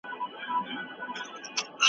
سوسياليستي فکر د فطرت خلاف دی.